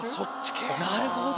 なるほど！